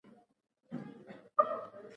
آیا په کابل کې صنعتي پارکونه فعال دي؟